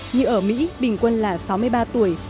như ở mỹ bình quân là sáu mươi ba tuổi